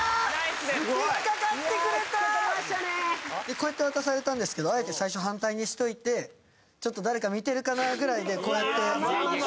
こうやって渡されたんですけどあえて最初反対にしといて誰か見てるかなぐらいでこうやって。